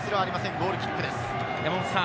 ゴールキックです。